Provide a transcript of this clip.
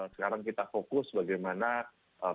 sekarang kita fokus bagaimana karantina itu